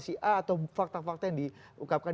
si a atau fakta fakta yang diungkapkan